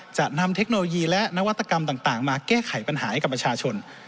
จะนำเทคโนโลยีและนวัตกรรมต่างมาแก้ไขปัญหาให้กับประชาชน